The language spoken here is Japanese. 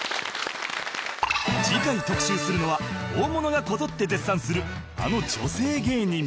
次回特集するのは大物がこぞって絶賛するあの女性芸人